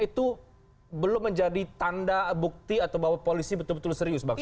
itu belum menjadi tanda bukti atau bahwa polisi betul betul serius bangki